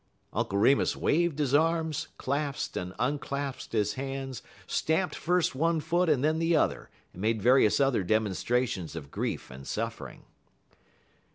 '" Uncle Remus waved his arms, clasped and unclasped his hands, stamped first one foot and then the other, and made various other demonstrations of grief and suffering.